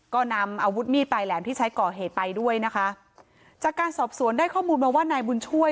ก็นำอาวุธมีดปลายแหลมที่ใช้ก่อเหตุไปด้วยนะคะจากการสอบสวนได้ข้อมูลมาว่านายบุญช่วย